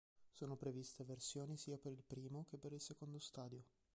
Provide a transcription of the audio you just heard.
Sono previste versioni sia per il primo che per il secondo stadio.